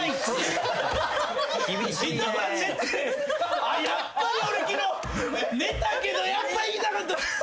一晩寝てあっやっぱり俺昨日寝たけどやっぱ行きたかった。